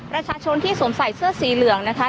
ประชาชนที่สวมใส่เสื้อสีเหลืองนะคะ